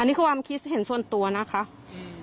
นี่คือความคิดเห็นส่วนตัวนะคะอืม